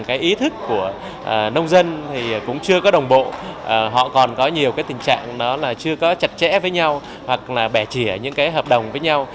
các sản phẩm của nông dân cũng chưa đồng bộ họ còn có nhiều tình trạng chưa chặt chẽ với nhau hoặc bẻ chỉa những hợp đồng với nhau